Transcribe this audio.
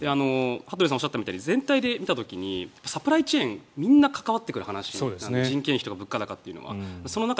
羽鳥さんがおっしゃったみたいに全体で見た時にサプライチェーンみんな関わってくる話で人件費とか物価高とかは。